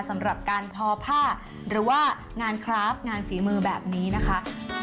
สำหรับการทอผ้าหรือว่างานคราฟงานฝีมือแบบนี้นะคะ